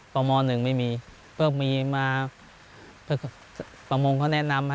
ปมหนึ่งไม่มีเพิ่มมาประมวงเขาแนะนำ